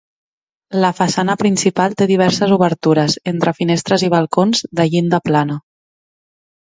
La façana principal té diverses obertures, entre finestres i balcons, de llinda plana.